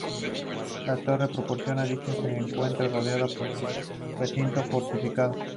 La torre propiamente dicha se encuentra rodeada por un recinto fortificado.